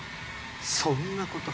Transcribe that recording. そんな事？